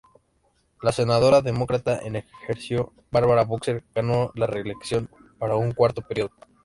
La senadora demócrata en ejercicio, Barbara Boxer, ganó la reelección para un cuarto periodo.